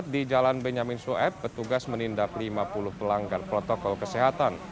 empat di jalan benyaminsuab petugas menindak lima puluh pelanggar protokol kesehatan